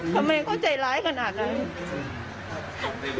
ทำไมเขาใจร้ายขนาดนั้น